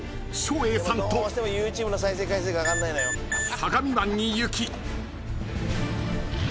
［相模湾に行き］